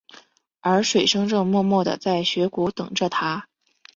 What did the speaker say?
而水笙正默默地在雪谷等着他。